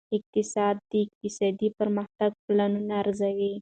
اقتصاد د اقتصادي پرمختګ پلانونه ارزوي.